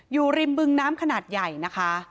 อยู่ริมบึงน้ำขนาดใหญ่นะคะ